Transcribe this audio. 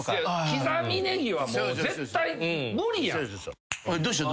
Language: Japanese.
刻みネギはもう絶対無理やん。